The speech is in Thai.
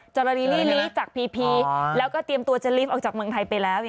กรณีลี่จากพีพีแล้วก็เตรียมตัวจะลีฟออกจากเมืองไทยไปแล้ว